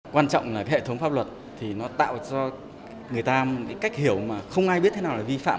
quan trọng là hệ thống pháp luật tạo ra cho người ta cách hiểu mà không ai biết thế nào là vi phạm